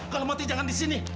kalo mati jangan disini